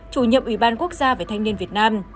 chủ nhiệm ủy ban quốc gia về thanh niên việt nam